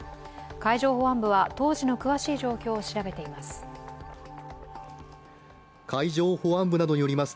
海上保安部は当時の詳しい状況を調べています。